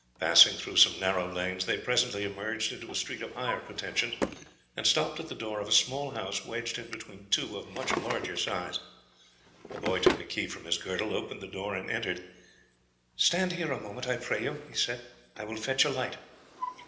Passing through some narrow lanes, they presently emerged into a street of higher pretensions, and stopped at the door of a small house wedged in between two of much larger size. The boy took a key from his girdle, opened the door, and entered. "Stand here a moment, I pray you," he said; "I will fetch a light."